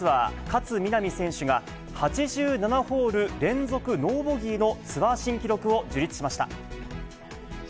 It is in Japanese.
勝みなみ選手が、８７ホール連続ノーボギーのツアー新記録を樹立しました。